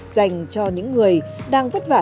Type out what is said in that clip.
dành cho những người đang vất vả